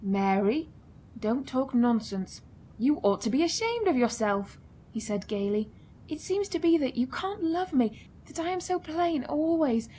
"Mary, don't talk nonsense. You ought to be ashamed of yourself!" he said gaily. "It seems to be that you can't love me, that I am so plain... always...